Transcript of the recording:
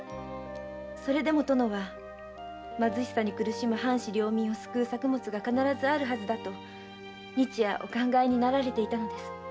それでも殿は貧しさに苦しむ藩士領民を救う作物が必ずあるはずだと日夜お考えになられていたのです。